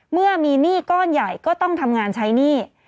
เมื่อมีหนี้ก้อนใหญ่ก็ต้องทำงานใช้หนี้